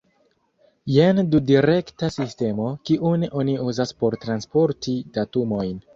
Jen dudirekta sistemo, kiun oni uzas por transporti datumojn.